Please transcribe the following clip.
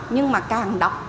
nhưng mà càng đọc